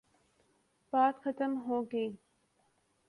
بات ختم ہو گئی۔